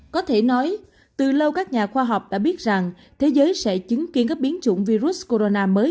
có thể nói từ lâu các nhà khoa học đã biết rằng thế giới sẽ chứng kiến các biến chủng virus corona mới